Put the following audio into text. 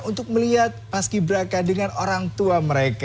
untuk melihat paski beraka dengan orang tua mereka